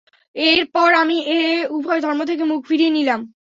এর পর আমি এ উভয় ধর্ম থেকে মুখ ফিরিয়ে নিলাম।